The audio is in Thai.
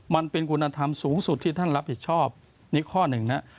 มันเป็นคุณธรรมสูงสุดที่ท่านรับผิดชอบนี่ข้อหนึ่งนะ